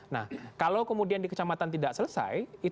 nah kalau kemudian di kecamatan tidak selesai